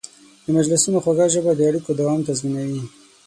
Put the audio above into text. د مجلسونو خوږه ژبه د اړیکو دوام تضمینوي.